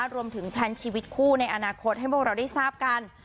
แพลนชีวิตคู่ในอนาคตให้พวกเราได้ทราบกัน